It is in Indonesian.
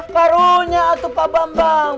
karunya itu pak bambang